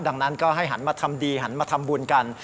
ดังนั้นก็ให้หันมาทำดีหันมาทำบุญกัน